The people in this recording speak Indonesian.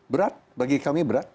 berat bagi kami berat